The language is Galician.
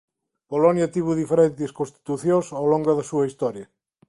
Polonia tivo diferentes constitucións ao longo da súa historia.